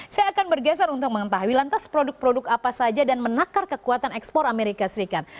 saya akan bergeser untuk mengetahui lantas produk produk apa saja dan menakar kekuatan ekspor amerika serikat